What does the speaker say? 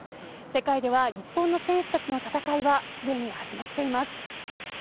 世界では日本の選手たちの戦いはすでに始まっています。